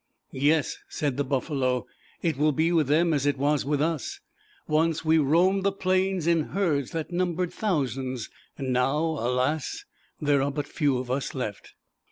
"Yes," said the Buffalo, "it will be with them, as it was with us. Once we roamed the plains in herds that num bered thousands, now, alas ! there are but few of us left."